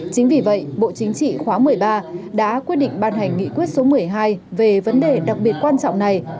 chính vì vậy bộ chính trị khóa một mươi ba đã quyết định ban hành nghị quyết số một mươi hai về vấn đề đặc biệt quan trọng này